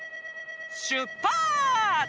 しゅっぱつ！